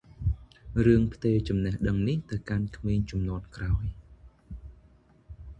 រឿងផ្ទេរចំណេះដឹងនេះទៅកាន់ក្មេងជំនាន់ក្រោយ។